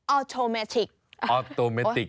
ออโตเมติก